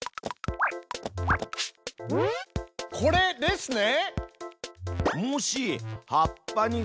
これですね。